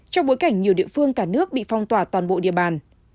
trong bối cảnh nhiều địa phương cả nước bị phong tỏa toàn bộ địa bàn